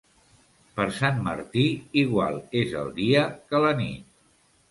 Per Sant Martí, igual és el dia que la nit.